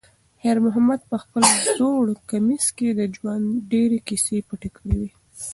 خیر محمد په خپل زوړ کمیس کې د ژوند ډېرې کیسې پټې کړې وې.